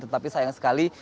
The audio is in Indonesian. tetapi sayang sekali